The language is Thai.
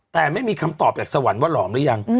แต่ไม่มีคำตอบจากสวรรค์ว่าหลอมหรือยัง